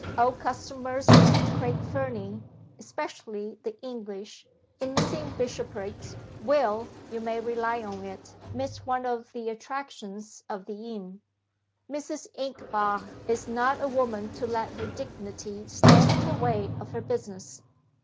Old customers at Craig Fernie (especially the English), in missing Bishopriggs, will, you may rely on it, miss one of the attractions of the inn. Mrs. Inchbare is not a woman to let her dignity stand in the way of her business.